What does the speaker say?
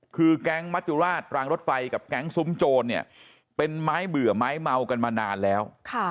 คือแก๊งมัจจุราชรางรถไฟกับแก๊งซุ้มโจรเนี่ยเป็นไม้เบื่อไม้เมากันมานานแล้ว